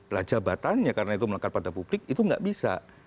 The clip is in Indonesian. lah jabatannya karena itu melekat pada publik itu nggak bisa